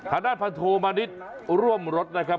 อาทราบภันธูวะมานิทร่วมรถนะครับ